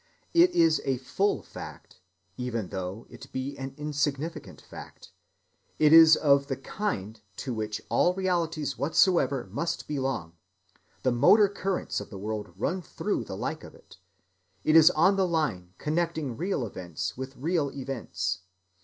It is a full fact, even though it be an insignificant fact; it is of the kind to which all realities whatsoever must belong; the motor currents of the world run through the like of it; it is on the line connecting real events with real events.